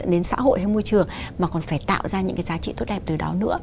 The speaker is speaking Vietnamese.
đến xã hội hay môi trường mà còn phải tạo ra những cái giá trị tốt đẹp từ đó nữa